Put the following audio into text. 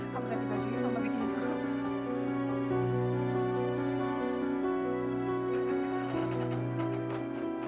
kamu kaki bajunya bapak bikinnya susah